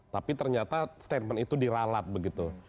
tapi ternyata statement itu diralat begitu